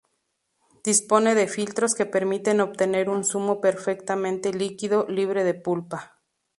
Dispone de filtros que permiten obtener un zumo perfectamente líquido, libre de pulpa.